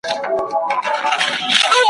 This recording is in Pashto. انجنیر سلطان جان کلیوال د ښې شاعرۍ تر څنګ `